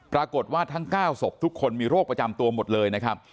ปรากฏว่าทั้ง๙ศพทุกคนมีโรคประจำตัวหมดเลยนะครับ